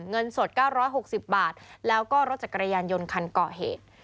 เงินสด๙๖๐บาทแล้วก็รถจักรยานยนต์คันก่อเหตุ